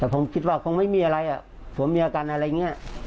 แต่ผมคิดว่าคงไม่มีอะไรอ่ะผัวเมียกันอะไรอย่างนี้